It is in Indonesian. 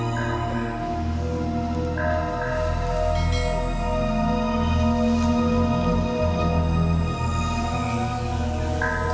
tidak ada yang bisa diberikan